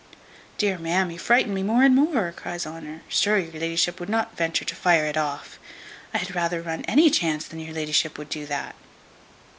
"Dear ma'am, you frighten me more and more," cries Honour: "sure your la'ship would not venture to fire it off! I had rather run any chance than your la'ship should do that."